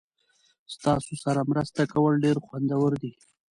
ستاسو سره مرسته کول ډیر خوندور دي.